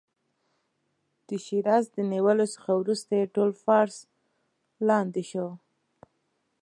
د شیراز د نیولو څخه وروسته یې ټول فارس لاندې شو.